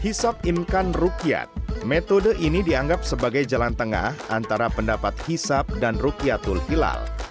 hisap imkan rukyat metode ini dianggap sebagai jalan tengah antara pendapat hisap dan rukyatul hilal